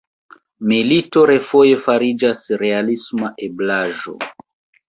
Milito refoje fariĝas realisma eblaĵo.